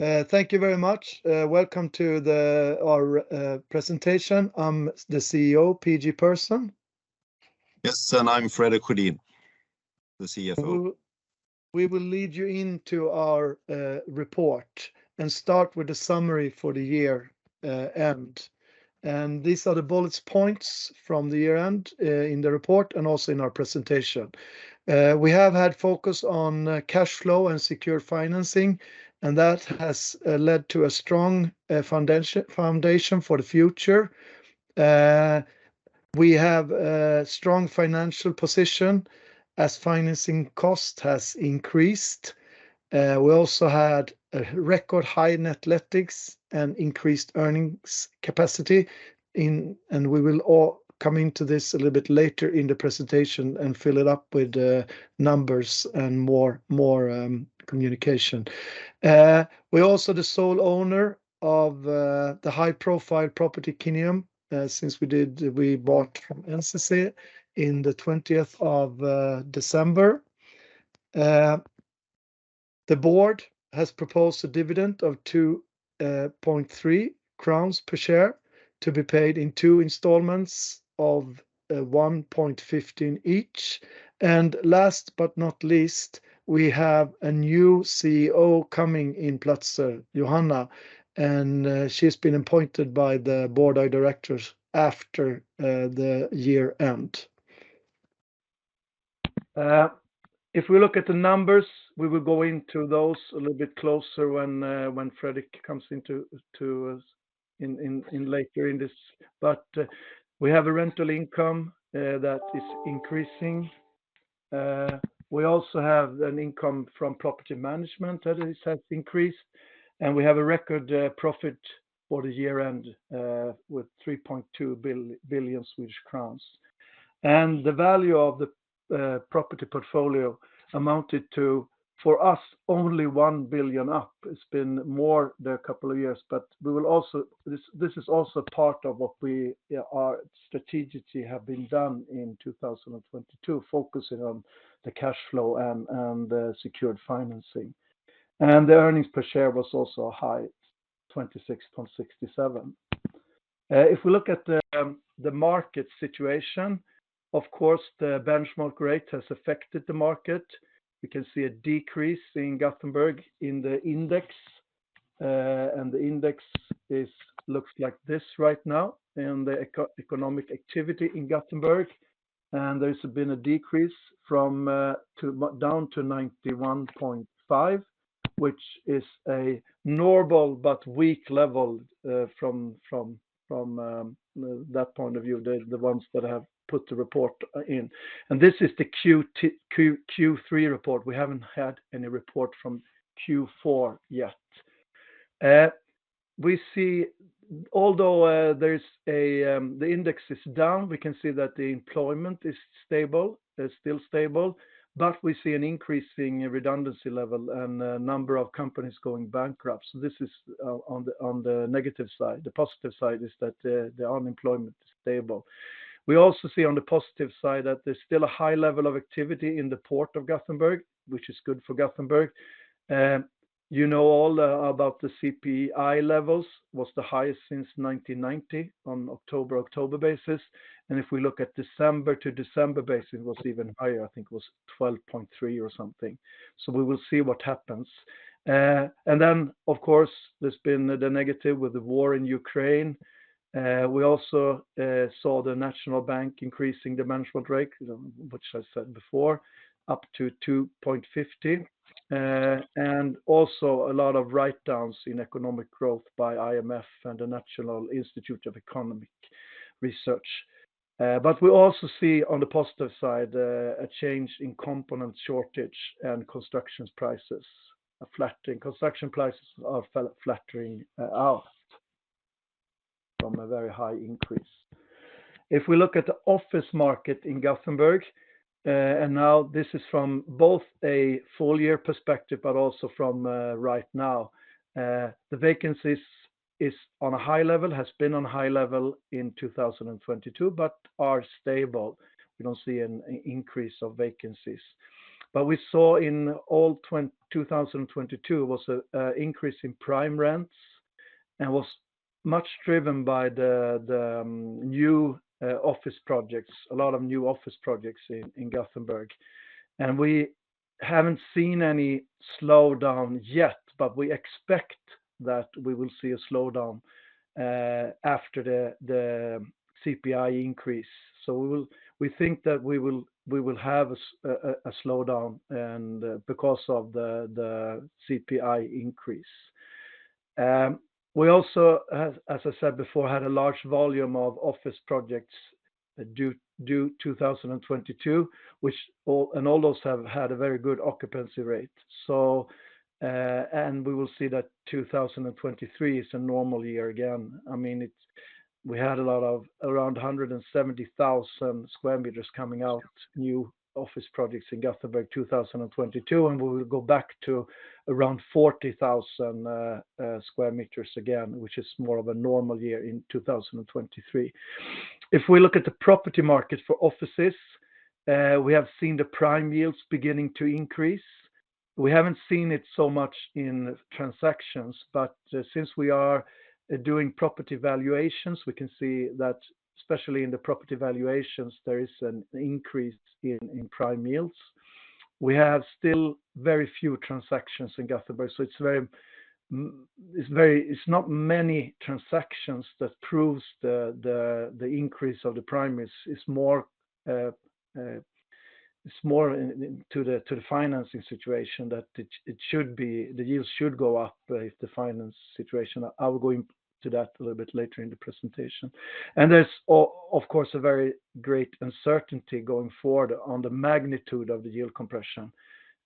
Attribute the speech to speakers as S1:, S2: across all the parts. S1: Thank you very much. Welcome to our presentation. I'm the CEO, P-G Persson.
S2: Yes, I'm Fredrik Sjudin, the CFO.
S1: We will lead you into our report and start with the summary for the year-end. These are the bullet points from the year-end in the report and also in our presentation. We have had focus on cash flow and secure financing, and that has led to a strong foundation for the future. We have a strong financial position as financing cost has increased. We also had a record high in athletics and increased earnings capacity. We will all come into this a little bit later in the presentation and fill it up with numbers and more communication. We're also the sole owner of the high-profile property Kineum since we bought from NCC in the 20th of December. The board has proposed a dividend of 2.3 crowns per share to be paid in 2 installments of 1.15 each. Last but not least, we have a new CEO coming in Platzer Johanna. She's been appointed by the board of directors after the year end. If we look at the numbers, we will go into those a little bit closer when Fredrik comes into later in this. We have a rental income that is increasing. We also have an income from property management that has increased, and we have a record profit for the year end with 3.2 billion Swedish crowns. The value of the property portfolio amounted to, for us, only 1 billion up. It's been more the couple of years. This is also part of what we are strategically have been done in 2022, focusing on the cash flow and the secured financing. The earnings per share was also high, 26.67. If we look at the market situation, of course, the benchmark rate has affected the market. We can see a decrease in Gothenburg in the index, and the index looks like this right now, and the economic activity in Gothenburg. There's been a decrease from to down to 91.5, which is a normal but weak level from that point of view, the ones that have put the report in. This is the Q3 report. We haven't had any report from Q4 yet. We see although the index is down, we can see that the employment is stable. It's still stable, but we see an increase in redundancy level and a number of companies going bankrupt. This is on the negative side. The positive side is that the unemployment is stable. We also see on the positive side that there's still a high level of activity in the Port of Gothenburg, which is good for Gothenburg. You know all about the CPI levels, was the highest since 1990 on October-October basis. If we look at December to December base, it was even higher. I think it was 12.3 or something. We will see what happens. Of course, there's been the negative with the war in Ukraine. We also saw the National Bank increasing the management rate, which I said before, up to 2.50. Also a lot of write-downs in economic growth by IMF and the National Institute of Economic Research. We also see on the positive side, a change in component shortage and constructions prices are flattening. Construction prices are flattening out from a very high increase. If we look at the office market in Gothenburg, and now this is from both a full year perspective but also from right now, the vacancies is on a high level, has been on high level in 2022 but are stable. We don't see an increase of vacancies. We saw in all 2022 was an increase in prime rents and was much driven by the new office projects, a lot of new office projects in Gothenburg. We haven't seen any slowdown yet, but we expect that we will see a slowdown after the CPI increase. We will, we think that we will have a slowdown because of the CPI increase. We also have, as I said before, had a large volume of office projects due 2022, which all those have had a very good occupancy rate. We will see that 2023 is a normal year again. I mean, we had a lot of around 170,000 square meters coming out, new office projects in Gothenburg, 2022, and we will go back to around 40,000 square meters again, which is more of a normal year in 2023. If we look at the property market for offices, we have seen the prime yields beginning to increase. We haven't seen it so much in transactions, but since we are doing property valuations, we can see that especially in the property valuations, there is an increase in prime yields. We have still very few transactions in Gothenburg, it's not many transactions that proves the, the increase of the prime is more, it's more in to the, to the financing situation that it should be, the yields should go up if the finance situation. I will go into that a little bit later in the presentation. There's, of course, a very great uncertainty going forward on the magnitude of the yield compression.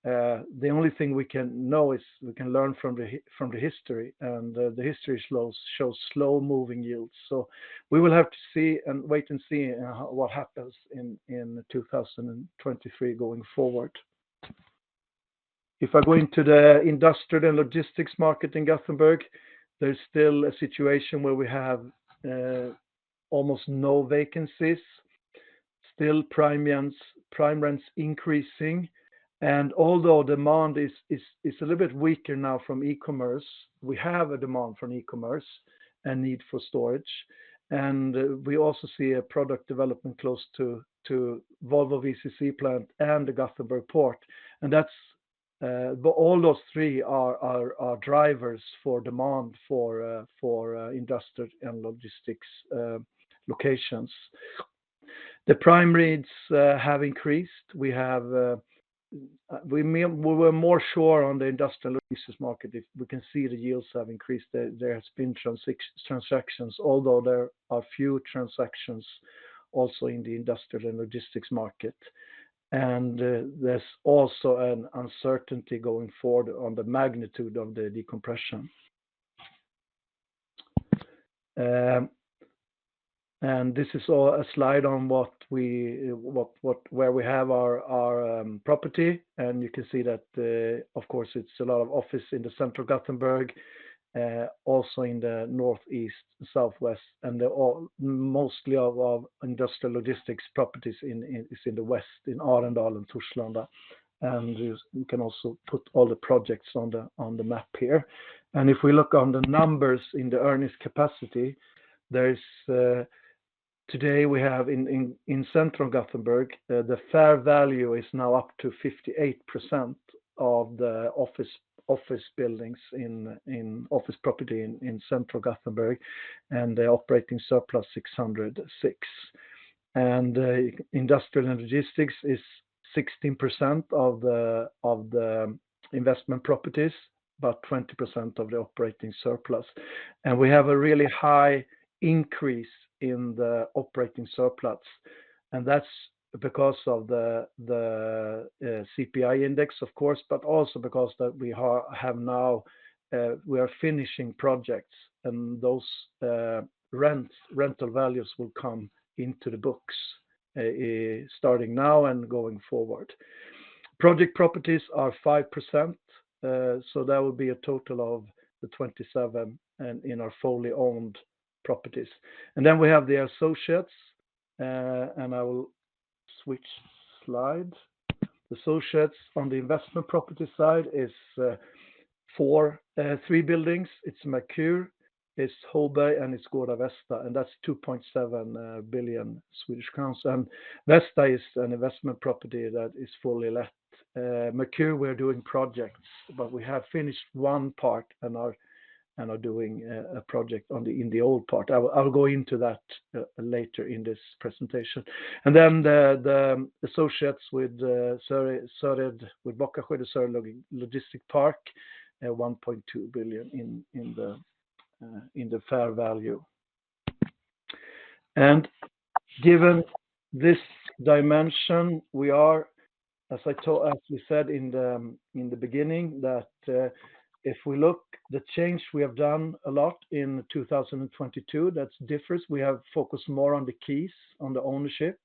S1: The only thing we can know is we can learn from the history, and the history shows slow-moving yields. We will have to see and wait and see what happens in 2023 going forward. If I go into the industrial and logistics market in Gothenburg, there's still a situation where we have almost no vacancies, still prime rents increasing. Although demand is a little bit weaker now from e-commerce, we have a demand from e-commerce and need for storage. We also see a product development close to Volvo VCC plant and the Gothenburg Port. All those three are drivers for demand for industrial and logistics locations. The prime rates have increased. We have, we were more sure on the industrial logistics market. If we can see the yields have increased, there has been transactions, although there are few transactions also in the industrial and logistics market. There's also an uncertainty going forward on the magnitude of the decompression. This is all a slide on what we, where we have our property. You can see that, of course, it's a lot of office in the central Gothenburg, also in the northeast, southwest, and they're all mostly our industrial logistics properties in, is in the west, in Arendal and Torslanda. You can also put all the projects on the map here. If we look on the numbers in the earnest capacity, there is... Today we have in central Gothenburg, the fair value is now up to 58% of the office buildings in office property in central Gothenburg, and the operating surplus 606. Industrial and logistics is 16% of the investment properties, but 20% of the operating surplus. We have a really high increase in the operating surplus. That's because of the CPI index, of course, but also because that we have now, we are finishing projects and those rental values will come into the books starting now and going forward. Project properties are 5%, so that would be a total of the 27% in our fully owned properties. We have the associates, and I will switch slides. The associates on the investment property side is three buildings. It's Merkur, it's Hålaberg, and it's Gårda Vesta, that's 2.7 billion Swedish crowns. Gårda Vesta is an investment property that is fully let. Merkur, we're doing projects, but we have finished one part and are doing a project in the old part. I will go into that later in this presentation. The associates with Bockasjö, the Sörred Logistikpark, 1.2 billion in the fair value. Given this dimension, we are, as we said in the beginning, that if we look the change, we have done a lot in 2022, that's differs. We have focused more on the keys, on the ownership.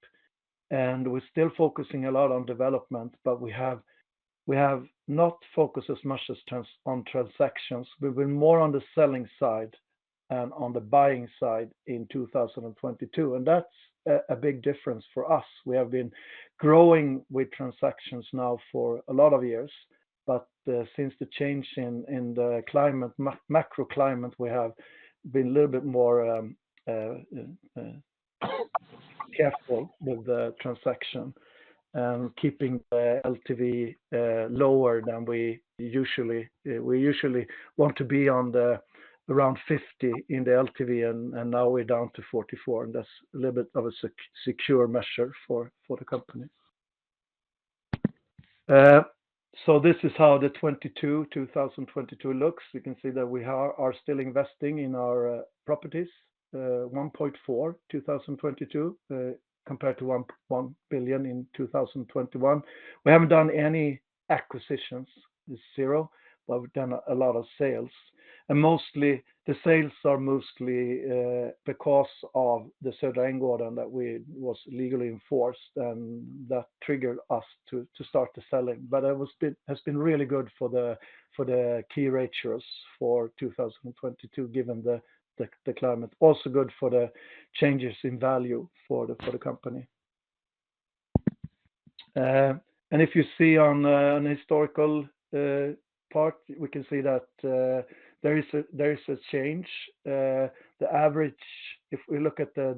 S1: We're still focusing a lot on development, but we have not focused as much as on transactions. We've been more on the selling side than on the buying side in 2022. That's a big difference for us. We have been growing with transactions now for a lot of years. Since the change in the climate, macro climate, we have been a little bit more careful with the transaction and keeping the LTV lower than we usually. We usually want to be on the around 50 in the LTV. Now we're down to 44. That's a little bit of a secure measure for the company. This is how the 2022 looks. You can see that we are still investing in our properties. 1.4 billion 2022 compared to 1 billion in 2021. We haven't done any acquisitions, it's 0, but we've done a lot of sales. Mostly, the sales are mostly because of the Södra Änggården that we was legally enforced, and that triggered us to start the selling. It has been really good for the key ratios for 2022, given the climate. Also good for the changes in value for the company. If you see on the historical part, we can see that there is a change. The average, if we look at the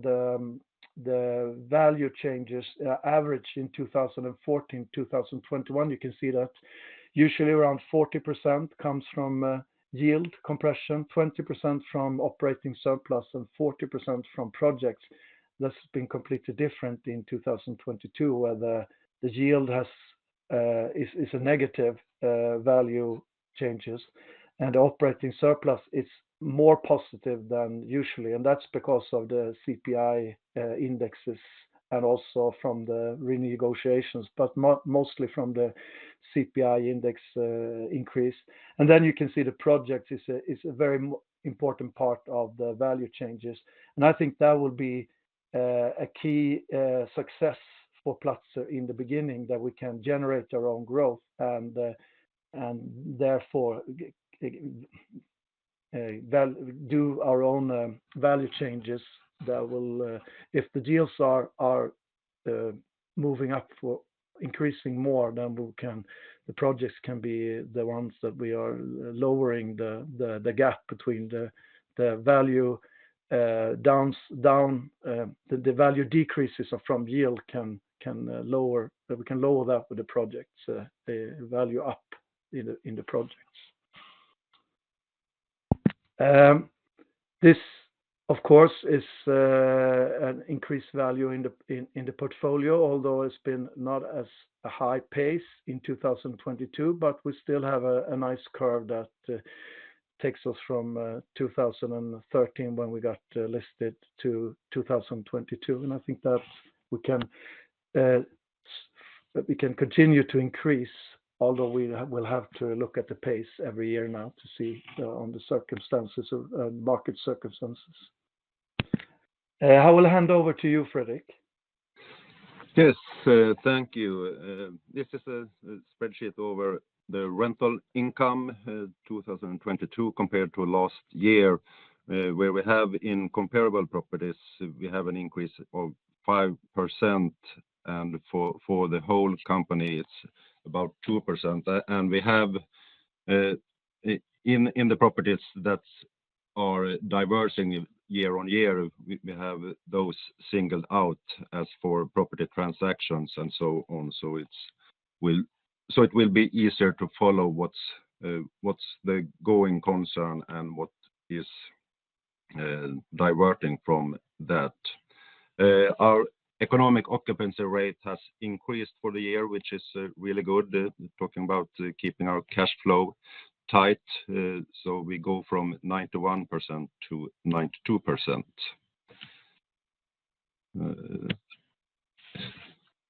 S1: value changes, average in 2014, 2021, you can see that usually around 40% comes from yield compression, 20% from operating surplus, and 40% from projects. That's been completely different in 2022, where the yield has is a negative value changes, and operating surplus is more positive than usually. That's because of the CPI indexes and also from the renegotiations, but mostly from the CPI index increase. Then you can see the project is a very important part of the value changes. I think that will be a key success for Platzer in the beginning, that we can generate our own growth and therefore do our own value changes that will if the deals are moving up for increasing more, then we can the projects can be the ones that we are lowering the gap between the value decreases of from yield can lower, we can lower that with the projects value up in the projects. This of course is an increased value in the portfolio, although it's been not as a high pace in 2022, but we still have a nice curve that takes us from 2013 when we got listed to 2022. I think that we can continue to increase, although we will have to look at the pace every year now to see on the circumstances of market circumstances. I will hand over to you, Fredrik.
S2: Yes, thank you. This is a spreadsheet over the rental income, 2022 compared to last year, where we have in comparable properties, we have an increase of 5%, and for the whole company, it's about 2%. We have in the properties that are diverging year on year, we have those singled out as for property transactions and so on. It will be easier to follow what's the going concern and what is diverting from that. Our economic occupancy rate has increased for the year, which is really good, talking about keeping our cash flow tight. We go from 91% to 92%.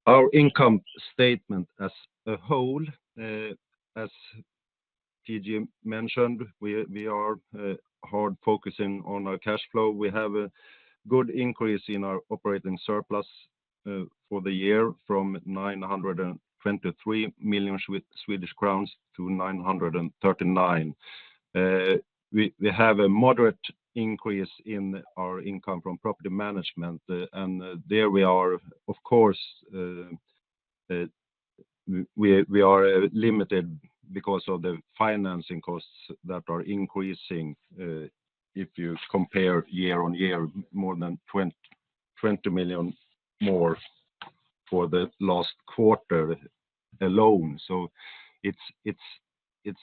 S2: Our income statement as a whole, as P-G mentioned, we are hard focusing on our cash flow. We have a good increase in our operating surplus for the year from 923 million Swedish crowns to 939 million. We have a moderate increase in our income from property management. There we are, of course, we are limited because of the financing costs that are increasing. If you compare year-over-year, more than 20 million more for the last quarter alone. It's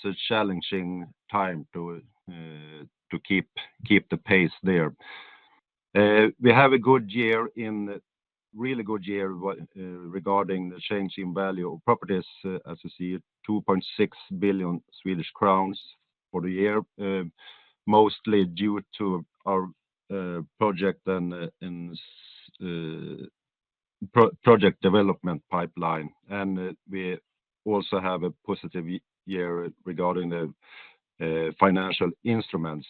S2: a challenging time to keep the pace there. We have a good year in...really good year regarding the change in value of properties, as you see, 2.6 billion Swedish crowns for the year, mostly due to our project and project development pipeline. We also have a positive year regarding the financial instruments.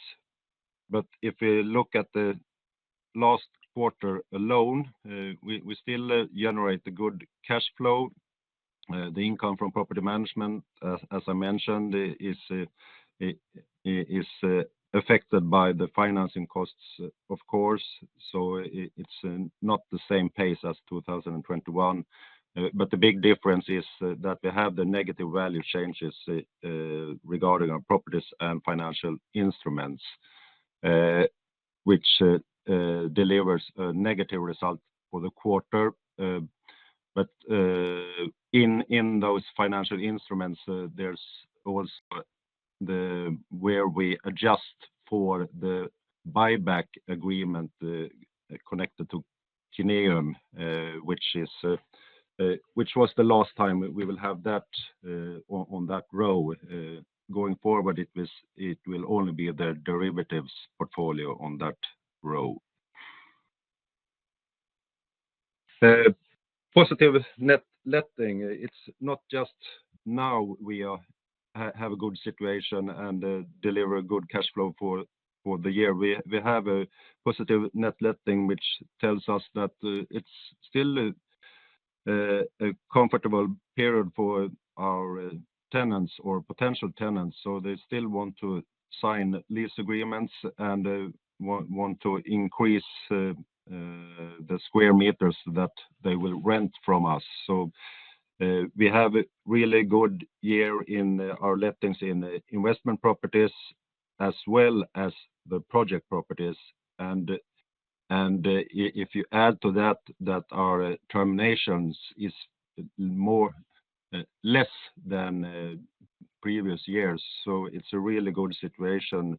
S2: If we look at the last quarter alone, we still generate a good cash flow. The income from property management, as I mentioned, is affected by the financing costs, of course. It's not the same pace as 2021. The big difference is that we have the negative value changes regarding our properties and financial instruments, which delivers a negative result for the quarter. In those financial instruments, there's also the... Where we adjust for the buyback agreement, connected to Kineum, which is, which was the last time we will have that on that row. Going forward, it will only be the derivatives portfolio on that row. Positive net letting. It's not just now we have a good situation and deliver a good cash flow for the year. We have a positive net letting which tells us that it's still a comfortable period for our tenants or potential tenants. They still want to sign lease agreements and want to increase the square meters that they will rent from us. We have a really good year in our lettings in investment properties as well as the project properties. If you add to that our terminations is more less than previous years. It's a really good situation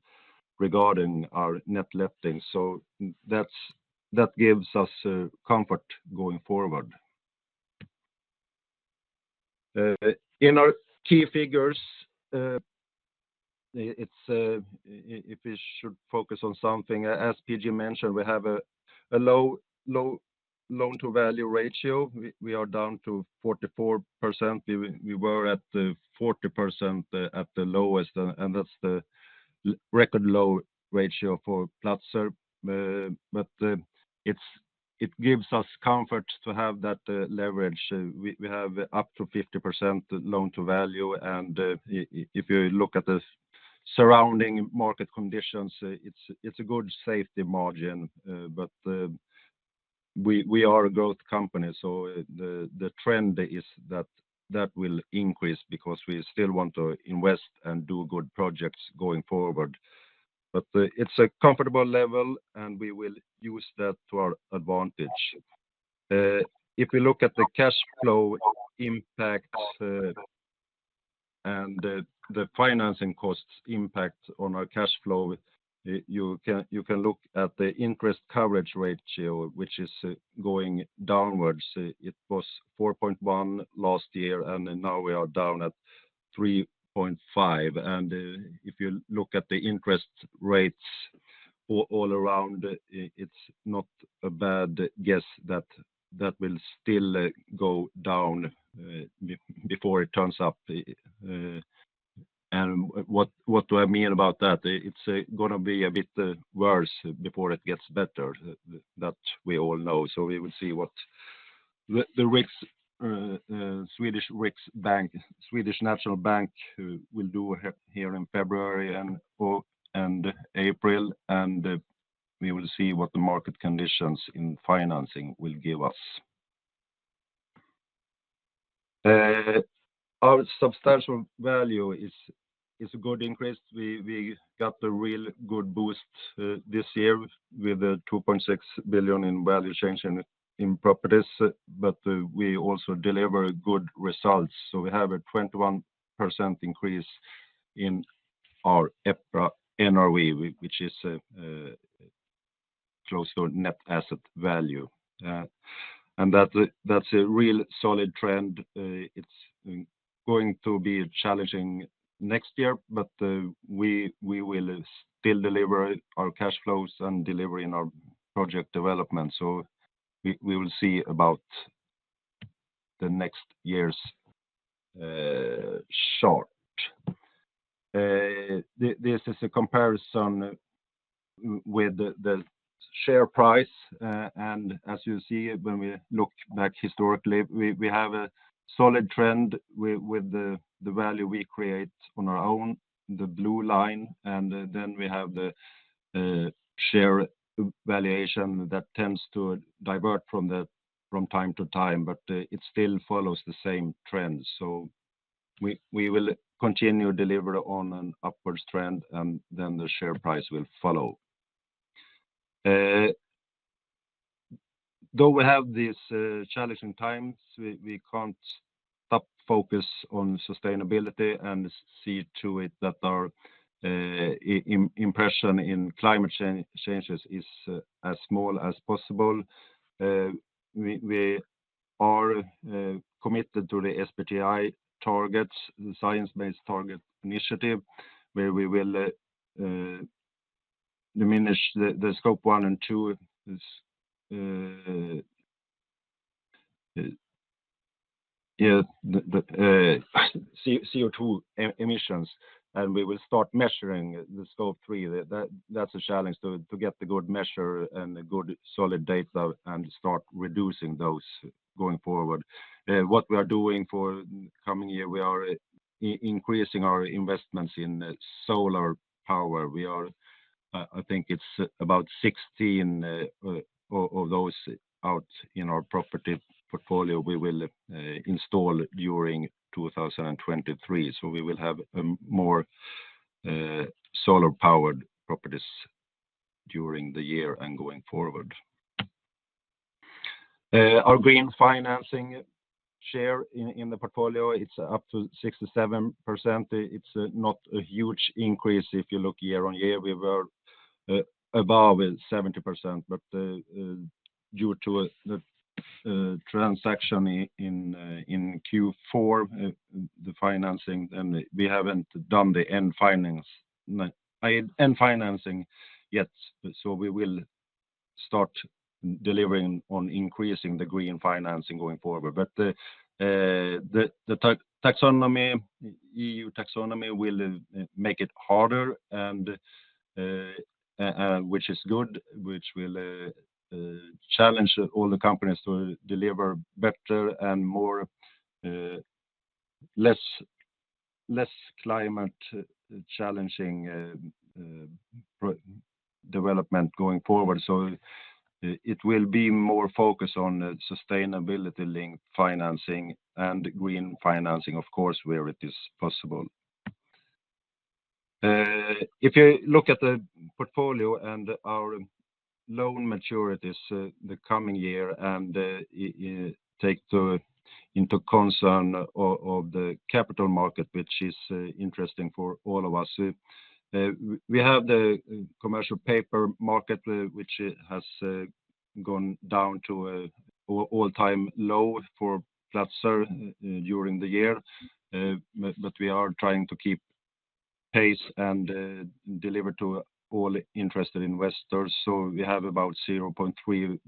S2: regarding our net lettings. That gives us comfort going forward. In our key figures, if we should focus on something, as PG mentioned, we have a low loan-to-value ratio. We are down to 44%. We were at 40% at the lowest, and that's the record low ratio for Platzer. It gives us comfort to have that leverage. We have up to 50% loan-to-value, and if you look at the surrounding market conditions, it's a good safety margin. We are a growth company, so the trend is that will increase because we still want to invest and do good projects going forward. It's a comfortable level, and we will use that to our advantage. If we look at the cash flow impacts and the financing costs impact on our cash flow, you can look at the interest coverage ratio, which is going downwards. It was 4.1 last year, now we are down at 3.5. If you look at the interest rates all around, it's not a bad guess that will still go down before it turns up. What do I mean about that? It's going to be a bit worse before it gets better. That we all know. We will see what the Riks Swedish Riksbank, Swedish National Bank will do here in February and April, and we will see what the market conditions in financing will give us. Our substantial value is a good increase. We got a real good boost this year with a 2.6 billion in value change in properties, but we also deliver good results. We have a 21% increase in our EPRA NRV, which is close to net asset value. And that's a real solid trend. It's going to be challenging next year, but we will still deliver our cash flows and deliver in our project development. We will see about the next year's chart. This is a comparison with the share price. As you see, when we look back historically, we have a solid trend with the value we create on our own, the blue line. Then we have the share valuation that tends to divert from time to time, but it still follows the same trends. We will continue to deliver on an upwards trend, and then the share price will follow. Though we have these challenging times, we can't stop focus on sustainability and see to it that our impression in climate changes is as small as possible. We are committed to the SBTI targets, the Science-Based Target initiative, where we will diminish the Scope 1 and 2's CO2 emissions, and we will start measuring the Scope 3. That's a challenge to get the good measure and the good solid data and start reducing those going forward. What we are doing for coming year, we are increasing our investments in solar power. We are, I think it's about 16 of those out in our property portfolio we will install during 2023. We will have more solar-powered properties during the year and going forward. Our green financing share in the portfolio, it's up to 67%. It's not a huge increase if you look year-over-year. We were above it, 70%. Due to the transaction in Q4, the financing and we haven't done the end financing yet, we will start delivering on increasing the green financing going forward. The tax-taxonomy, EU taxonomy will make it harder and which is good, which will challenge all the companies to deliver better and more less climate challenging development going forward. It will be more focused on sustainability-linked financing and green financing, of course, where it is possible. If you look at the portfolio and our loan maturities the coming year and you take the into concern of the capital market, which is interesting for all of us. We have the commercial paper market which has gone down to a all-time low for Platzer during the year, but we are trying to keep pace and deliver to all interested investors. We have about 0.3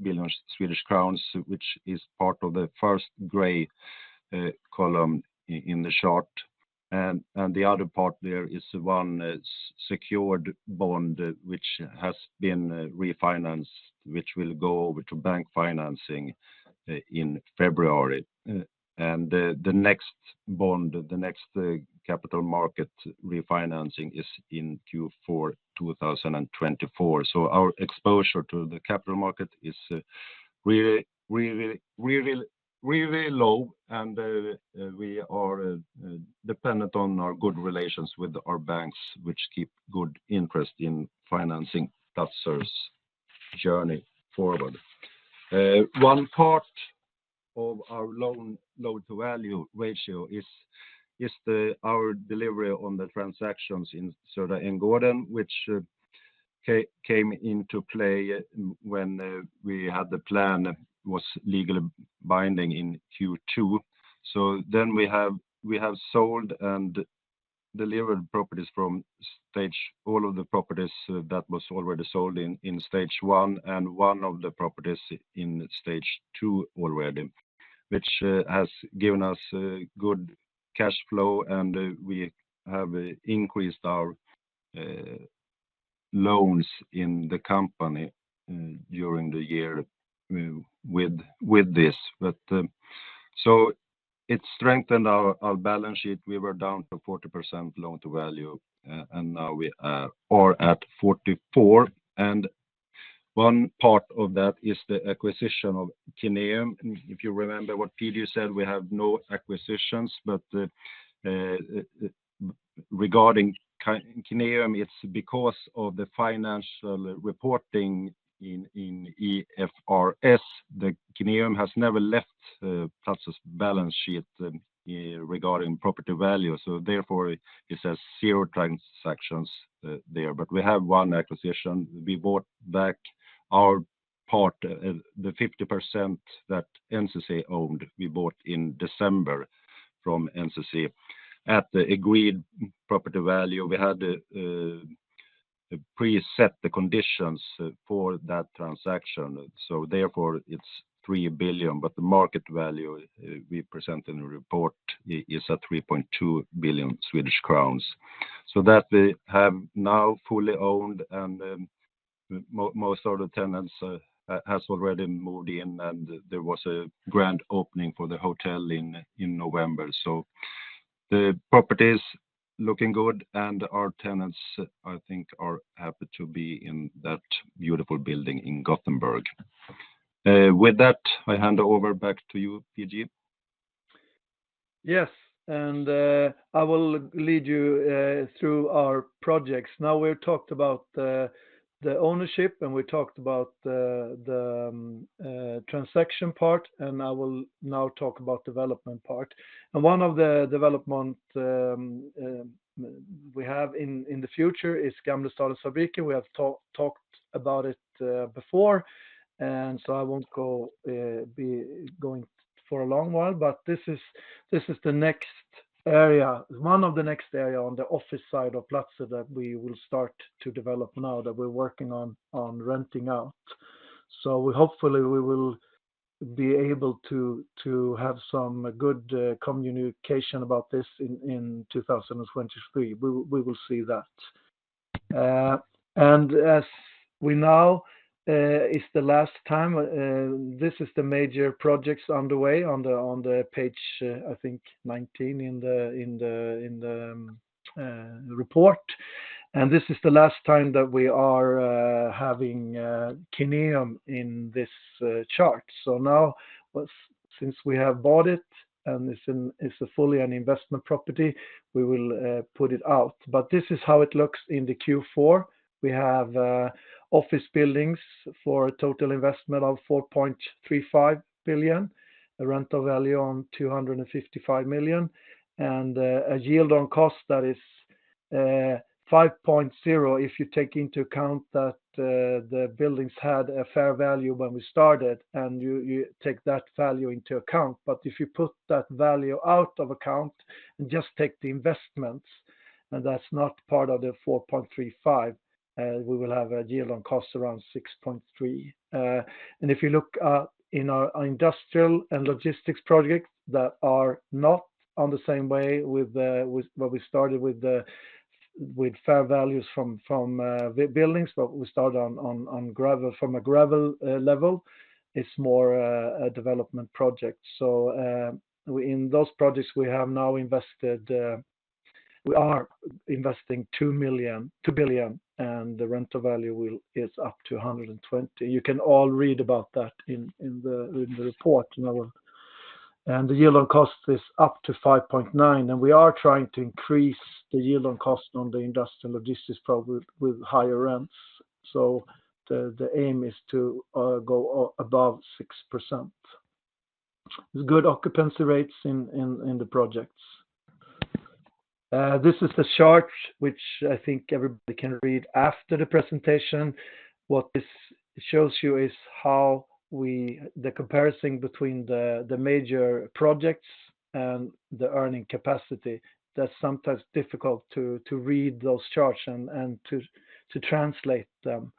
S2: billion Swedish crowns, which is part of the first gray column in the chart. The other part there is 1 secured bond which has been refinanced, which will go over to bank financing in February. The next bond, capital market refinancing is in Q4 2024. Our exposure to the capital market is really, really, really, really low, and we are dependent on our good relations with our banks, which keep good interest in financing Platzer's journey forward. One part of our loan-to-value ratio is our delivery on the transactions in Söder and Gården, which came into play when we had the plan was legally binding in Q2. We have sold and delivered properties from stage...All of the properties that was already sold in stage one and one of the properties in stage two already, which has given us good cash flow, and we have increased our loans in the company during the year with this. It strengthened our balance sheet. We were down to 40% loan-to-value, and now we are at 44. One part of that is the acquisition of Kineum. If you remember what P-G said, we have no acquisitions. Regarding Kineum, it's because of the financial reporting in IFRS that Kineum has never left Platzer's balance sheet regarding property value. Therefore it says 0 transactions there. We have 1 acquisition. We bought back our part, the 50% that NCC owned, we bought in December from NCC at the agreed property value. We had preset the conditions for that transaction, therefore it's 3 billion, but the market value we present in the report is at 3.2 billion Swedish crowns. That we have now fully owned, and most of the tenants has already moved in, and there was a grand opening for the hotel in November. The property is looking good, and our tenants, I think, are happy to be in that beautiful building in Gothenburg. With that, I hand over back to you, PG.
S1: Yes. I will lead you through our projects. Now, we talked about the ownership, and we talked about the transaction part, and I will now talk about development part. One of the development we have in the future is Gamlestadens Fabriker. We have talked about it before, and so I won't be going for a long while, but this is the next area, one of the next area on the office side of Platzer that we will start to develop now that we're working on renting out. Hopefully we will be able to have some good communication about this in 2023. We will see that. As we now, it's the last time, this is the major projects underway on the page, I think 19 in the report. This is the last time that we are having Kineum in this chart. Now since we have bought it, and it's a fully an investment property, we will put it out. This is how it looks in the Q4. We have office buildings for a total investment of 4.35 billion, a rental value on 255 million, and a yield on cost that is 5.0% if you take into account that the buildings had a fair value when we started, and you take that value into account. If you put that value out of account and just take the investments, and that's not part of the 4.35, we will have a yield on cost around 6.3%. If you look in our industrial and logistics projects that are not on the same way with what we started with fair values from buildings, but we start on gravel from a gravel level. It's more a development project. In those projects we have now invested, we are investing 2 billion, and the rental value is up to 120 million. You can all read about that in the report. The yield on cost is up to 5.9, and we are trying to increase the yield on cost on the industrial logistics with higher rents. The aim is to go above 6%. There's good occupancy rates in the projects. This is the chart which I think everybody can read after the presentation. What this shows you is how the comparison between the major projects and the earning capacity. That's sometimes difficult to read those charts and to translate them.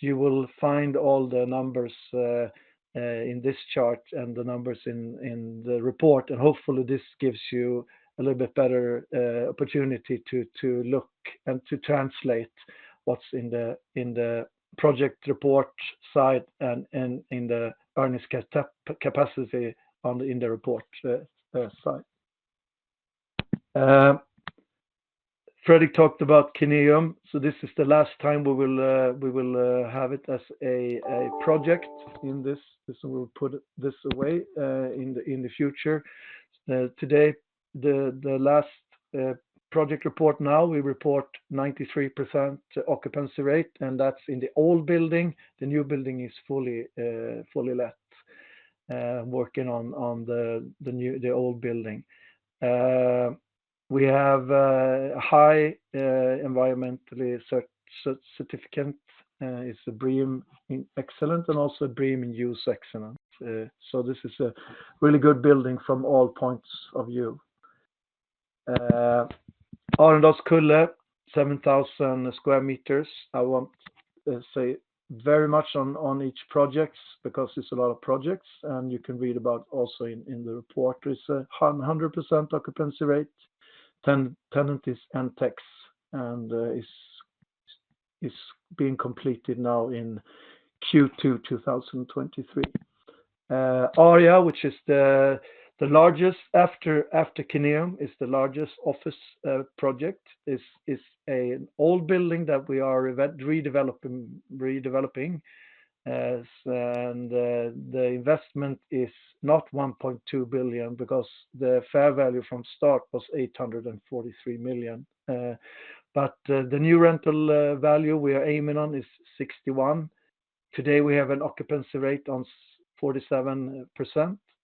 S1: You will find all the numbers in this chart and the numbers in the report. Hopefully this gives you a little bit better opportunity to look and to translate what's in the project report side and in the earnings capacity in the report side. Fredrik talked about Kineum, so this is the last time we will have it as a project in this. This will put this away in the future. Today, the last project report now, we report 93% occupancy rate, and that's in the old building. The new building is fully fully let. Working on the old building. We have high environmentally certificate. It's a BREEAM in Excellent and also BREEAM In-Use Excellent. This is a really good building from all points of view. Arenaskullen, 7,000 square meters. I won't say very much on each projects because it's a lot of projects and you can read about also in the report. It's a 100% occupancy rate. Tenant is Etex and is being completed now in Q2 2023. Aria, which is the largest after Kineum, is the largest office project. Is an old building that we are redeveloping, and the investment is not 1.2 billion because the fair value from start was 843 million. The new rental value we are aiming on is 61. Today, we have an occupancy rate on 47%,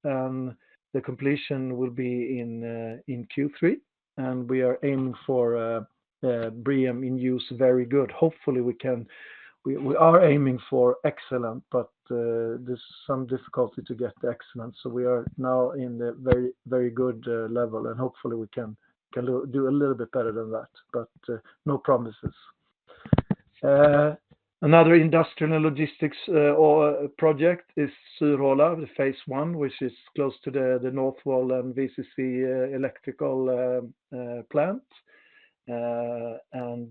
S1: and the completion will be in Q3. And we are aiming for BREEAM In-Use Very Good. Hopefully, we can... We are aiming for Excellent, but there's some difficulty to get to Excellent. We are now in the very, very good level, and hopefully we can do a little bit better than that. No promises. Another industrial logistics or project is Sörhåla, the phase one, which is close to the Northvolt and VCC electrical plant.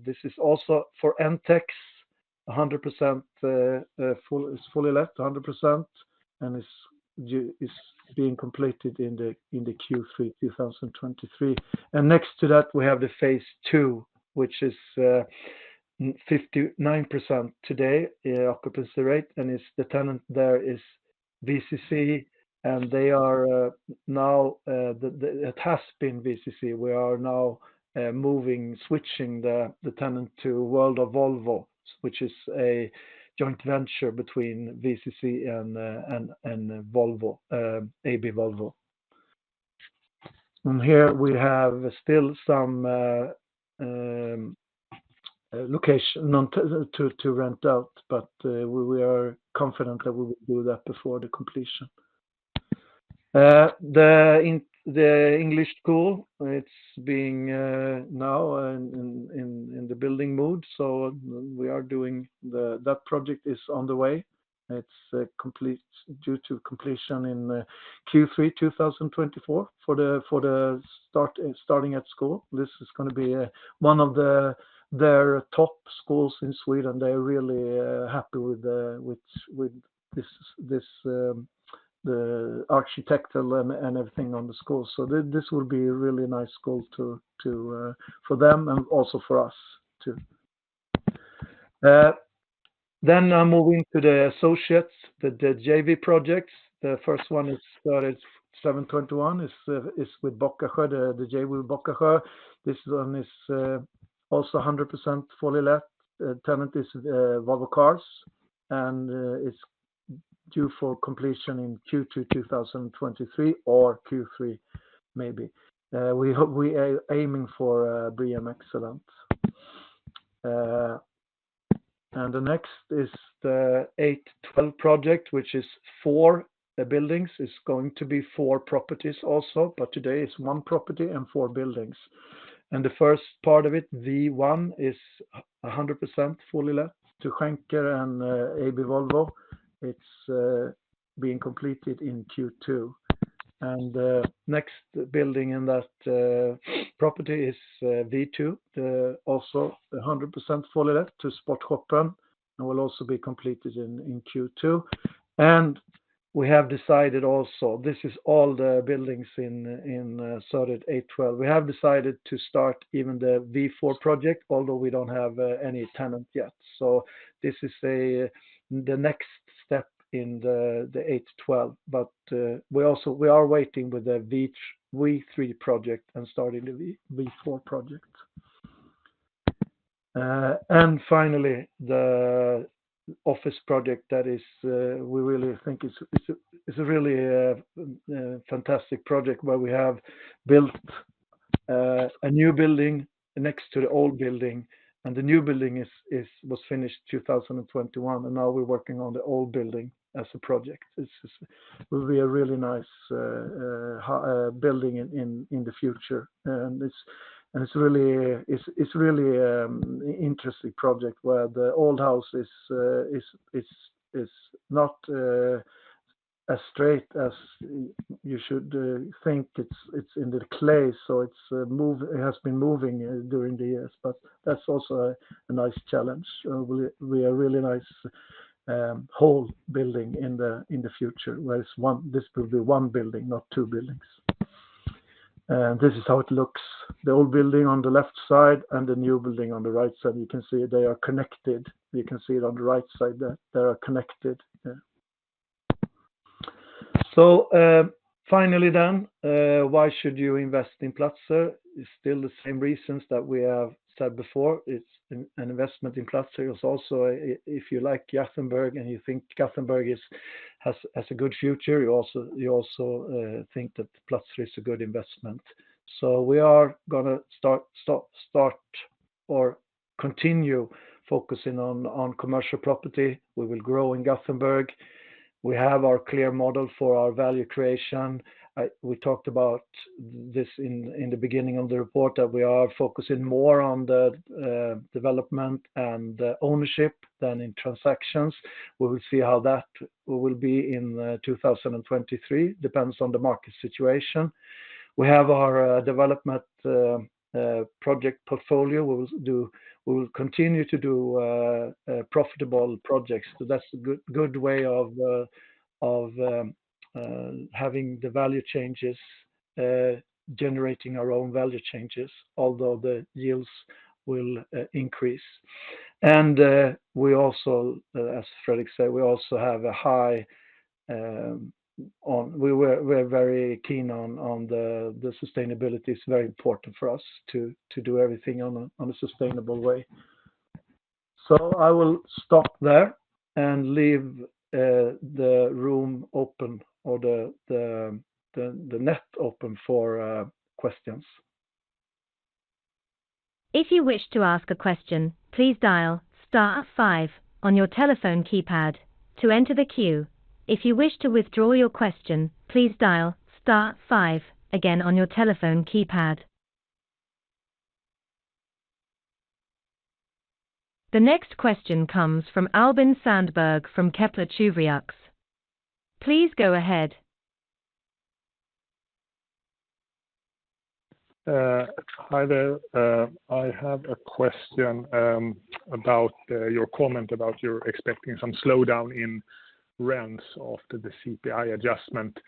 S1: This is also for Etex, 100% full, it's fully let 100%, and it's being completed in the Q3 2023. Next to that, we have the phase two, which is 59% today occupancy rate, and the tenant there is VCC, and they are now, it has been VCC. We are now moving, switching the tenant to World of Volvo, which is a joint venture between VCC and AB Volvo. Here we have still some location on to rent out, but we are confident that we will do that before the completion. The English school, it's being now in the building mode. We are doing that project is on the way. It's due to completion in Q3 2024 for the starting at school. This is gonna be one of the, their top schools in Sweden. They're really happy with the, with this, the architectural and everything on the school. This will be a really nice school to for them and also for us too. Now moving to the associates, the JV projects. The first one is started 721. It's, it's with Bockasjö, the JV with Bockasjö. This one is also 100% fully let. Tenant is Volvo Cars, it's due for completion in Q2 2023 or Q3, maybe. We hope we are aiming for BREEAM Excellent. The next is the 812 project, which is 4 buildings. It's going to be 4 properties also, but today it's 1 property and 4 buildings. The first part of it, V1, is 100% fully let to Schenker and AB Volvo. It's being completed in Q2. Next building in that property is V2. Also 100% fully let to Sportshopen and will also be completed in Q2. We have decided also, this is all the buildings in Gårda 8:12. We have decided to start even the V4 project, although we don't have any tenant yet. This is the next step in the 8-12. We are waiting with the V3 project and starting the V4 project. Finally, the office project that is, we really think is a really fantastic project where we have built a new building next to the old building. The new building is was finished 2021, and now we're working on the old building as a project. This is... will be a really nice building in the future. It's really interesting project where the old house is not as straight as you should think. It's in the clay, so it has been moving during the years. That's also a nice challenge. Will be a really nice whole building in the future, where this will be one building, not two buildings. This is how it looks. The old building on the left side and the new building on the right side. You can see they are connected. You can see it on the right side there. They are connected. Yeah. Finally then, why should you invest in Platzer? It's still the same reasons that we have said before. It's an investment in Platzer is also, if you like Gothenburg and you think Gothenburg has a good future, you also think that Platzer is a good investment. We are gonna start or continue focusing on commercial property. We will grow in Gothenburg. We have our clear model for our value creation. We talked about this in the beginning of the report that we are focusing more on the development and the ownership than in transactions. We will see how that will be in 2023. Depends on the market situation. We have our development project portfolio. We will continue to do profitable projects. That's a good way of having the value changes, generating our own value changes, although the yields will increase. We also, as Fredrik said, we also have a high. We're very keen on the sustainability. It's very important for us to do everything on a sustainable way. I will stop there and leave the room open or the net open for questions.
S3: If you wish to ask a question, please dial star five on your telephone keypad to enter the queue. If you wish to withdraw your question, please dial star five again on your telephone keypad. The next question comes from Albin Sandberg from Kepler Cheuvreux. Please go ahead.
S4: Hi there. I have a question about your comment about you're expecting some slowdown in rents after the CPI adjustment.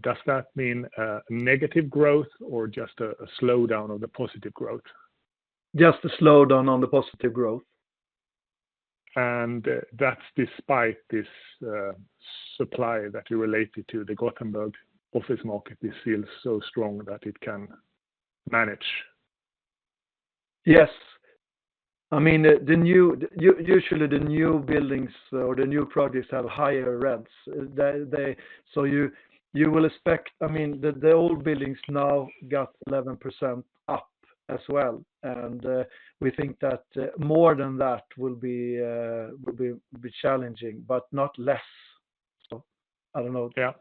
S4: Does that mean negative growth or just a slowdown of the positive growth?
S1: Just a slowdown on the positive growth.
S4: That's despite this, supply that you related to the Gothenburg office market, it feels so strong that it can manage.
S1: Yes. I mean, the new buildings or the new projects have higher rents. They. You will expect. I mean, the old buildings now got 11% up as well. We think that more than that will be challenging, but not less. I don't know.
S4: Yeah.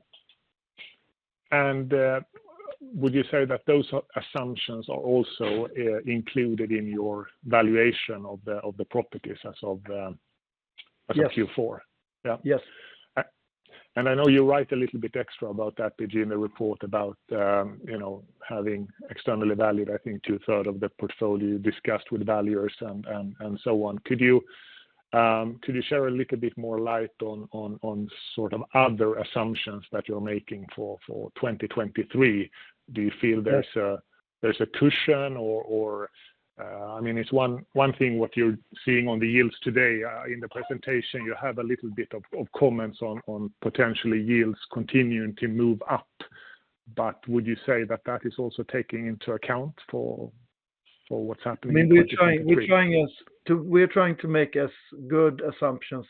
S4: Would you say that those assumptions are also included in your valuation of the properties as of?
S1: Yes
S4: as of Q4? Yeah.
S1: Yes.
S4: I know you write a little bit extra about that, PG, in the report about, you know, having externally valued, I think 2/3 of the portfolio discussed with valuers and so on. Could you share a little bit more light on sort of other assumptions that you're making for 2023? Do you feel.
S1: Yeah...
S4: there's a cushion or. I mean, it's one thing what you're seeing on the yields today. In the presentation, you have a little bit of comments on potentially yields continuing to move up. Would you say that that is also taking into account for what's happening in 2023?
S1: I mean, we're trying to make as good assumptions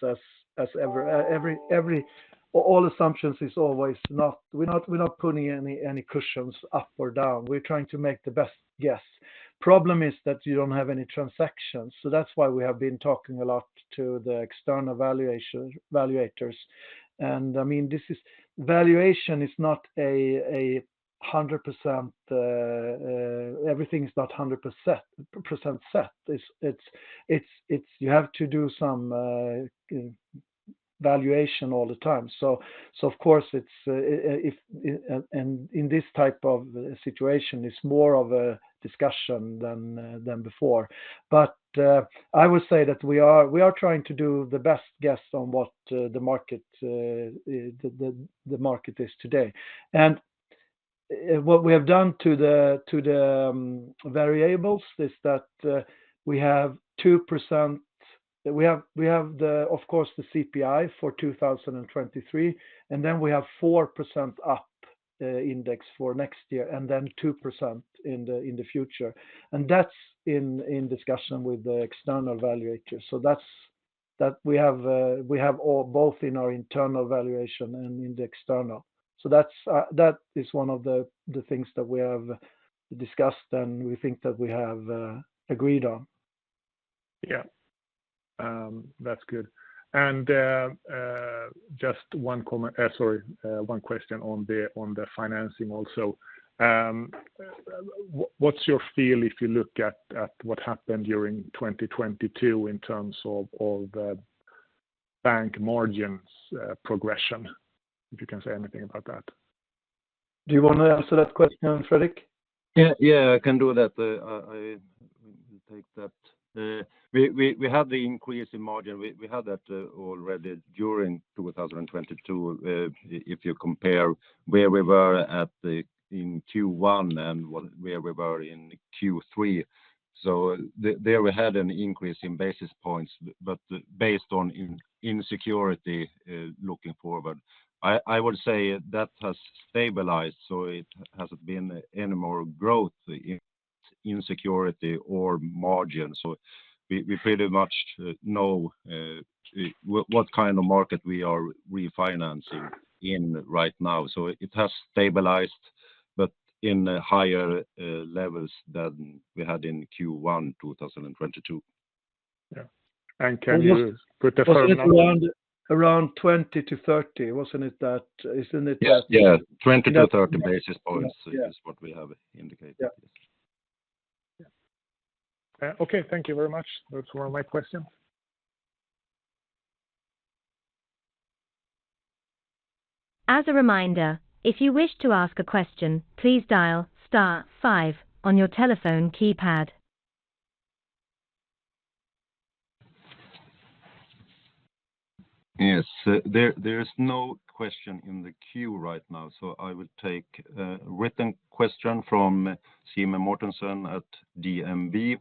S1: as ever. All assumptions is always not. We're not putting any cushions up or down. We're trying to make the best guess. Problem is that you don't have any transactions. That's why we have been talking a lot to the external valuators. I mean, Valuation is not a 100%, everything is not 100% set. It's you have to do some valuation all the time. Of course it's, if, and in this type of situation, it's more of a discussion than before. I would say that we are trying to do the best guess on what the market is today. What we have done to the variables is that we have the, of course, the CPI for 2023, and then we have 4% up index for next year, and then 2% in the future. That's in discussion with the external valuator. That's that we have all both in our internal valuation and in the external. That is one of the things that we have discussed and we think that we have agreed on.
S4: Yeah. That's good. Just one comment, sorry, one question on the financing also. What's your feel if you look at what happened during 2022 in terms of all the bank margins, progression? If you can say anything about that.
S1: Do you wanna answer that question, Fredrik?
S2: Yeah. I can do that. I take that. We have the increase in margin. We have that already during 2022. If you compare where we were in Q1 and where we were in Q3. There we had an increase in basis points, but based on insecurity looking forward. I would say that has stabilized, so it hasn't been any more growth in insecurity or margin. We pretty much know what kind of market we are refinancing in right now. It has stabilized, but in higher levels than we had in Q1 2022.
S4: Yeah. Can you put a firm number-
S1: Was it around 20-30? Wasn't it that? Isn't it that?
S2: Yeah. Yeah, 20 to 30 basis points is what we have indicated.
S1: Yeah. Yeah.
S4: Okay. Thank you very much. Those were my question.
S3: As a reminder, if you wish to ask a question, please dial star five on your telephone keypad.
S2: Yes. There is no question in the queue right now, so I will take a written question from Simen Mortensson at DNB.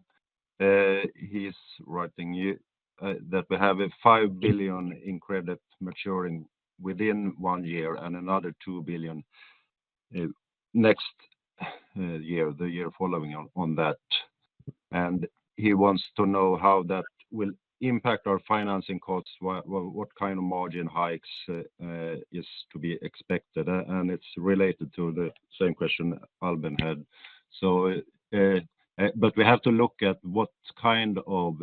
S2: He's writing that we have 5 billion in credit maturing within 1 year and another 2 billion next year, the year following on that. He wants to know how that will impact our financing costs, what kind of margin hikes is to be expected. It's related to the same question Albin had. We have to look at what kind of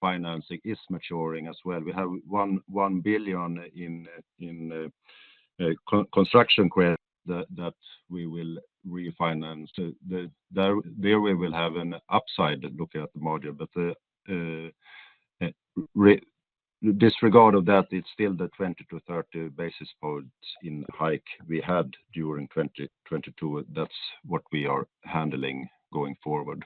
S2: financing is maturing as well. We have 1 billion in co-construction credit that we will refinance. There we will have an upside looking at the margin. disregard of that, it's still the 20 to 30 basis points in hike we had during 2022. That's what we are handling going forward.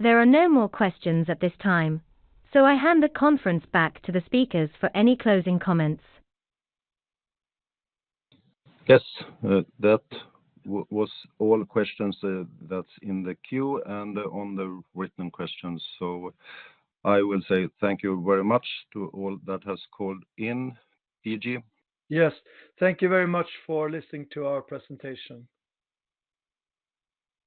S3: There are no more questions at this time, so I hand the conference back to the speakers for any closing comments.
S2: Yes. That was all questions, that's in the queue and on the written questions. I will say thank you very much to all that has called in. PG?
S1: Yes. Thank you very much for listening to our presentation.